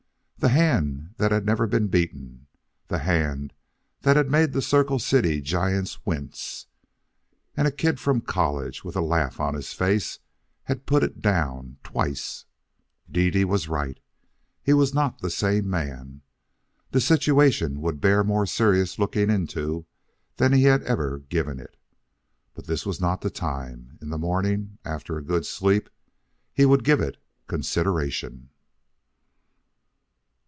The hand that had never been beaten! The hand that had made the Circle City giants wince! And a kid from college, with a laugh on his face, had put it down twice! Dede was right. He was not the same man. The situation would bear more serious looking into than he had ever given it. But this was not the time. In the morning, after a good sleep, he would give it consideration.